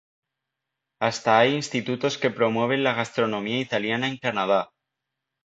Hasta hay institutos que promueven la gastronomía italiana en Canadá.